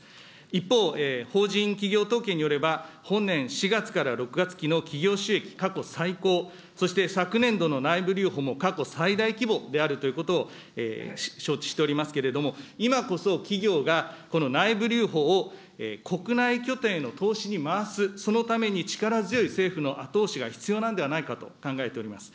一方、法人企業統計によれば、本年４月から６月期の企業収益過去最高、そして昨年度の内部留保も過去最大規模であるということを承知しておりますけれども、今こそ企業がこの内部留保を国内拠点への投資に回す、そのために力強い政府の後押しが必要なではないかと考えております。